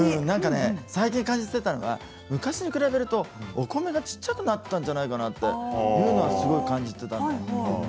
最近、感じていたのは昔に比べるとお米が小っちゃくなったんじゃないかなっていうのは、すごく感じていたの。